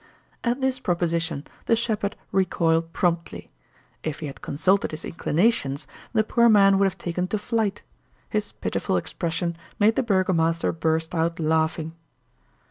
At this proposition the shepherd recoiled promptly. If he had consulted his inclinations the poor man would have taken to flight; his pitiful expression made the burgomaster burst out laughing.